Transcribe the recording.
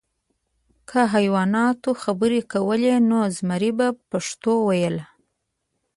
که حیواناتو خبرې کولی، نو زمری به پښتو ویله .